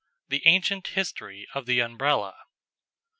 THE ANCIENT HISTORY OF THE UMBRELLA.